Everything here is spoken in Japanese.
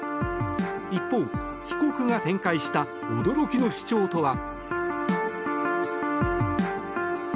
一方、被告が展開した驚きの主張とは。